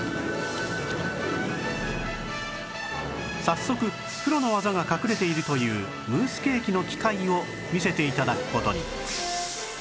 早速プロの技が隠れているというムースケーキの機械を見せて頂く事に